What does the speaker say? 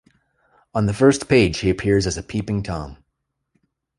On the first page he appears as a peeping-tom.